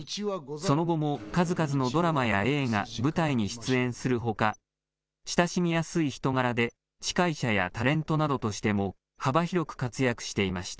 その後も数々のドラマや映画、舞台に出演するほか、親しみやすい人柄で、司会者やタレントなどとしても幅広く活躍していました。